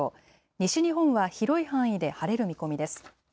西日本は広い範囲で晴れる見込みです。